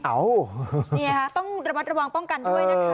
อ้าวต้องระวังป้องกันด้วยนะครับ